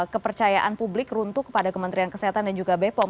kepercayaan publik runtuh kepada kementerian kesehatan dan juga bepom